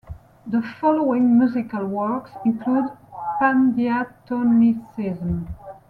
The following musical works include pandiatonicism.